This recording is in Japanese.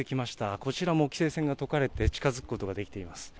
こちらも規制線が解かれて近づくことができています。